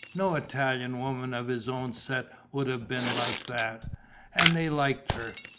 No Italian woman of his own set would have been like that. And they liked her.